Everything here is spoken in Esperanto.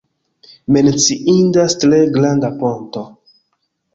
Menciindas tre granda ponto.